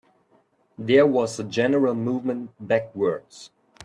There was a general movement backwards.